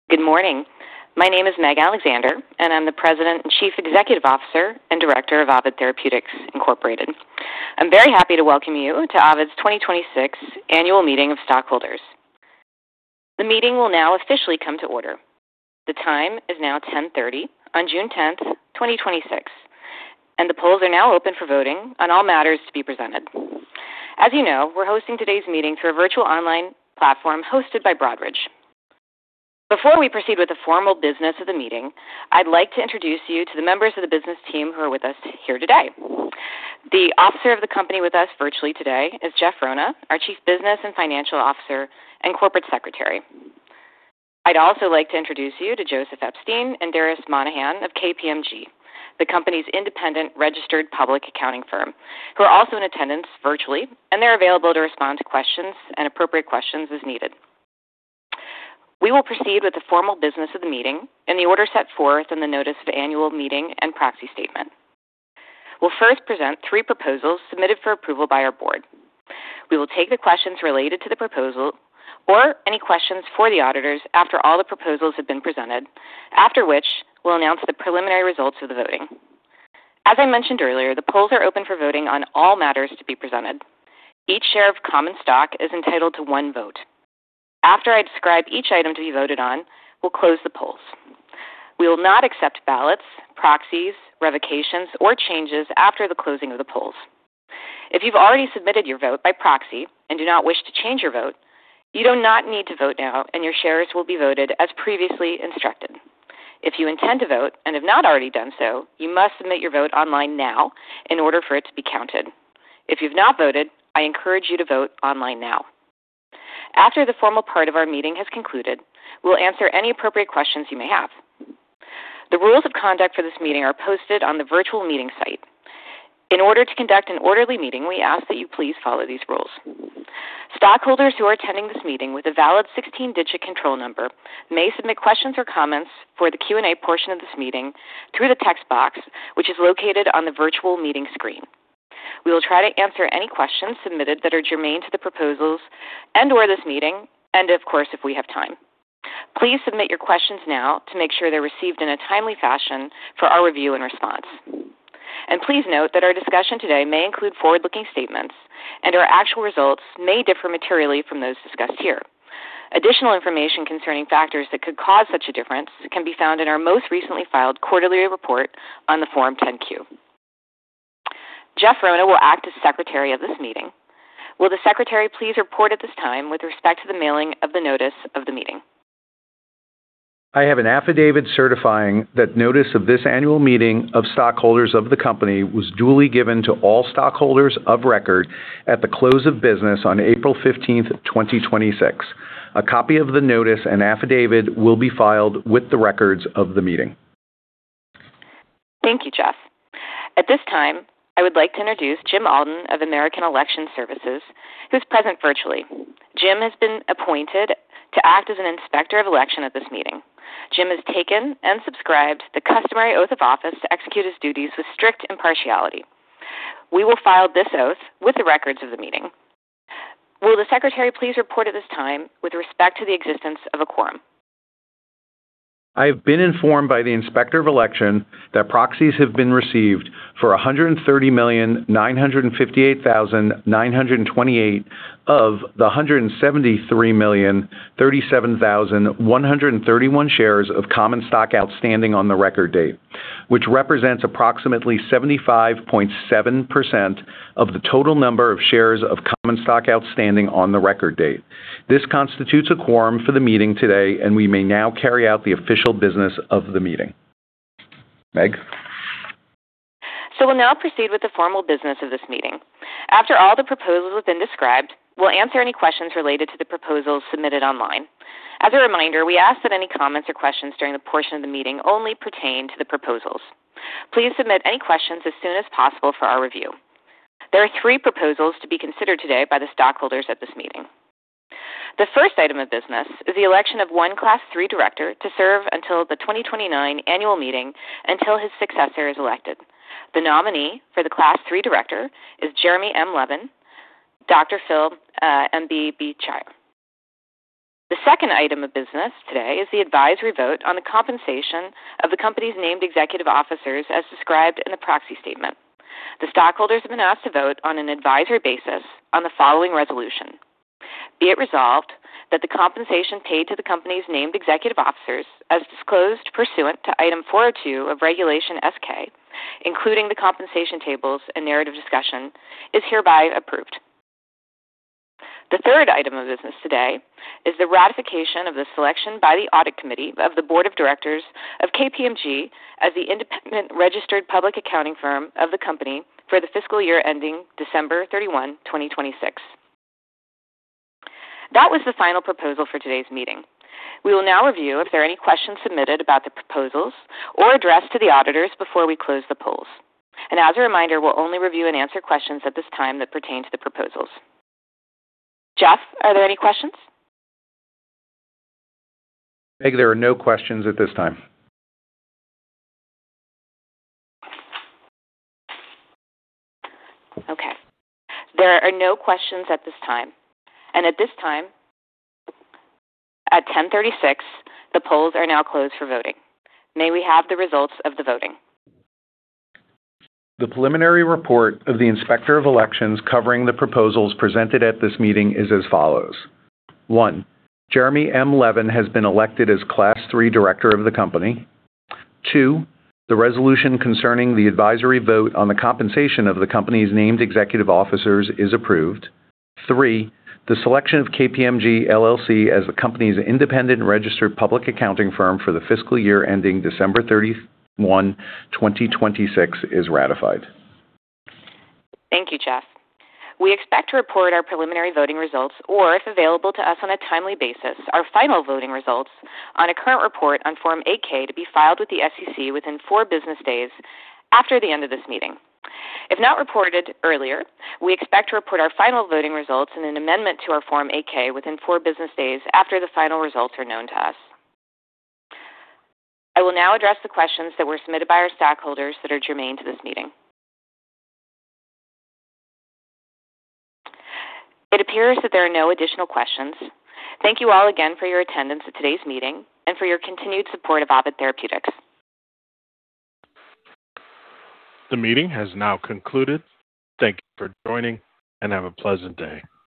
Good morning. My name is Meg Alexander, and I'm the President and Chief Executive Officer and Director of Ovid Therapeutics Inc. I'm very happy to welcome you to Ovid's 2026 Annual Meeting of Stockholders. The meeting will now officially come to order. The time is now 10:30 A.M. on June 10, 2026, and the polls are now open for voting on all matters to be presented. As you know, we're hosting today's meeting through a virtual online platform hosted by Broadridge. Before we proceed with the formal business of the meeting, I'd like to introduce you to the members of the business team who are with us here today. The officer of the company with us virtually today is Jeff Rona, our Chief Business and Financial Officer and Corporate Secretary. I'd also like to introduce you to Joseph Epstein and Darius Monahan of KPMG, the company's independent registered public accounting firm, who are also in attendance virtually, and they're available to respond to questions and appropriate questions as needed. We will proceed with the formal business of the meeting in the order set forth in the notice of annual meeting and proxy statement. We'll first present three proposals submitted for approval by our board. We will take the questions related to the proposal or any questions for the auditors after all the proposals have been presented, after which we'll announce the preliminary results of the voting. As I mentioned earlier, the polls are open for voting on all matters to be presented. Each share of common stock is entitled to one vote. After I describe each item to be voted on, we'll close the polls. We will not accept ballots, proxies, revocations, or changes after the closing of the polls. If you've already submitted your vote by proxy and do not wish to change your vote, you do not need to vote now, and your shares will be voted as previously instructed. If you intend to vote and have not already done so, you must submit your vote online now in order for it to be counted. If you've not voted, I encourage you to vote online now. After the formal part of our meeting has concluded, we'll answer any appropriate questions you may have. The rules of conduct for this meeting are posted on the virtual meeting site. In order to conduct an orderly meeting, we ask that you please follow these rules. Stockholders who are attending this meeting with a valid 16-digit control number may submit questions or comments for the Q&A portion of this meeting through the text box, which is located on the virtual meeting screen. We will try to answer any questions submitted that are germane to the proposals and/or this meeting, and of course, if we have time. Please submit your questions now to make sure they're received in a timely fashion for our review and response. Please note that our discussion today may include forward-looking statements and our actual results may differ materially from those discussed here. Additional information concerning factors that could cause such a difference can be found in our most recently filed quarterly report on the Form 10-Q. Jeff Rona will act as Secretary of this meeting. Will the Secretary please report at this time with respect to the mailing of the notice of the meeting? I have an affidavit certifying that notice of this annual meeting of stockholders of the company was duly given to all stockholders of record at the close of business on April 15th, 2026. A copy of the notice and affidavit will be filed with the records of the meeting. Thank you, Jeff. At this time, I would like to introduce Jim Alden of American Election Services, who's present virtually. Jim has been appointed to act as an Inspector of Election at this meeting. Jim has taken and subscribed the customary oath of office to execute his duties with strict impartiality. We will file this oath with the records of the meeting. Will the Secretary please report at this time with respect to the existence of a quorum? I have been informed by the Inspector of Election that proxies have been received for 130,958,928 of the 173,037,131 shares of common stock outstanding on the record date, which represents approximately 75.7% of the total number of shares of common stock outstanding on the record date. This constitutes a quorum for the meeting today, and we may now carry out the official business of the meeting. Meg? We'll now proceed with the formal business of this meeting. After all the proposals have been described, we'll answer any questions related to the proposals submitted online. As a reminder, we ask that any comments or questions during the portion of the meeting only pertain to the proposals. Please submit any questions as soon as possible for our review. There are three proposals to be considered today by the stockholders at this meeting. The first item of business is the election of one Class III director to serve until the 2029 annual meeting until his successor is elected. The nominee for the Class III director is Jeremy M. Levin, D.Phil., MB BChir. The second item of business today is the advisory vote on the compensation of the company's named executive officers as described in the proxy statement. The stockholders have been asked to vote on an advisory basis on the following resolution. Be it resolved that the compensation paid to the company's named executive officers, as disclosed pursuant to Item 402 of Regulation S-K, including the compensation tables and narrative discussion, is hereby approved. The third item of business today is the ratification of the selection by the Audit Committee of the Board of Directors of KPMG as the independent registered public accounting firm of the company for the fiscal year ending December 31, 2026. That was the final proposal for today's meeting. We will now review if there are any questions submitted about the proposals or addressed to the auditors before we close the polls. As a reminder, we'll only review and answer questions at this time that pertain to the proposals. Jeff, are there any questions? Meg, there are no questions at this time. Okay. There are no questions at this time. At this time, at 10:36 A.M., the polls are now closed for voting. May we have the results of the voting? The preliminary report of the Inspector of Elections covering the proposals presented at this meeting is as follows. One, Jeremy M. Levin has been elected as Class III Director of the company. Two, the resolution concerning the advisory vote on the compensation of the company's named executive officers is approved. Three, the selection of KPMG LLP as the company's independent registered public accounting firm for the fiscal year ending December 31, 2026 is ratified. Thank you, Jeff. We expect to report our preliminary voting results, or if available to us on a timely basis, our final voting results on a current report on Form 8-K to be filed with the SEC within four business days after the end of this meeting. If not reported earlier, we expect to report our final voting results in an amendment to our Form 8-K within four business days after the final results are known to us. I will now address the questions that were submitted by our stockholders that are germane to this meeting. It appears that there are no additional questions. Thank you all again for your attendance at today's meeting and for your continued support of Ovid Therapeutics. The meeting has now concluded. Thank you for joining, and have a pleasant day